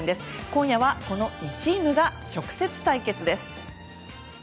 今夜は、この２チームが直接対決です。